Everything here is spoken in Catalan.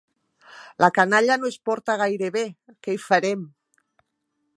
La canalla no es porta gaire bé, què hi farem!